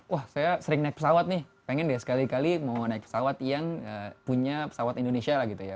wah saya sering naik pesawat nih pengen deh sekali kali mau naik pesawat yang punya pesawat indonesia lah gitu ya